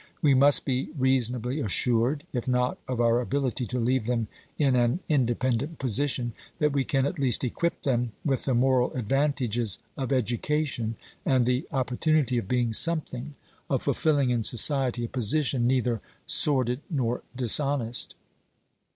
We must be reasonably assured — if not of our ability to leave them in an independent position — that we can at least equip them with the moral advantages of education, and the oppor tunity of being something, of fulfilling in society a position neither sordid nor dishonest.